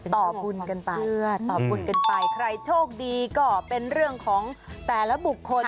ต่อบุญกันไปใครโชคดีก็เป็นเรื่องของแต่ละบุคคล